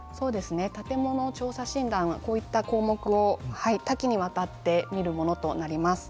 建物調査診断はこういった項目を多岐にわたって見るものとなります。